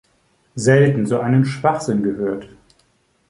Selten so einen Schwachsinn gehört.